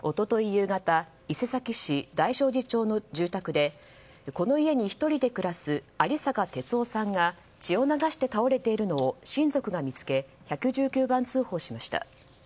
夕方伊勢崎市大正寺町の住宅でこの家に１人で暮らす有坂鉄男さんが血を流して倒れているのを親族が見つけ１１９番通報しました。